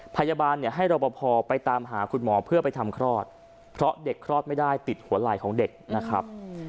พยาบาลเนี่ยให้รอปภไปตามหาคุณหมอเพื่อไปทำคลอดเพราะเด็กคลอดไม่ได้ติดหัวไหล่ของเด็กนะครับ